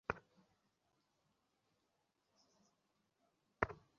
তবে fire service যাওয়ার আগেই দোকানের বেশির ভাগ মালামাল পুড়ে যায়।